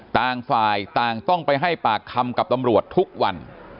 ต่างฝ่ายต่างต้องไปให้ปากคำกับตำรวจทุกวัน